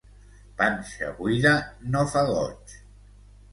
Panxa buida no fa goig.